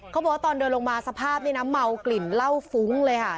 เขาบอกว่าตอนเดินลงมาสภาพนี่นะเมากลิ่นเหล้าฟุ้งเลยค่ะ